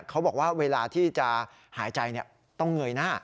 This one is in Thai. เขาบอกว่าเวลาที่จะหายใจต้องเงยหน้า